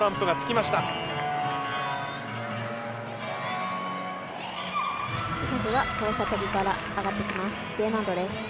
まずは交差跳びから上がってきます。